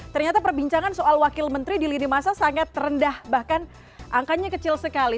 ternyata perbincangan soal wakil menteri di lini masa sangat rendah bahkan angkanya kecil sekali